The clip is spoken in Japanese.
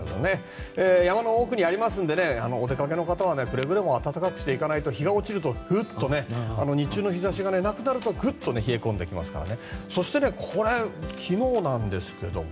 山の奥にありますのでお出かけの方はくれぐれも暖かくしていかないと日中の日差しがなくなるとぐっと冷え込んできますから。